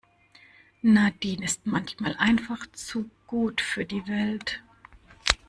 Nadine ist manchmal einfach zu gut für die Welt.